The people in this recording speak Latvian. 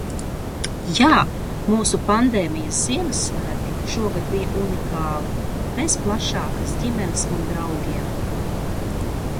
Jā, mūsu pandēmijas Ziemassvētki šogad bija unikāli – bez plašākas ģimenes un draugiem!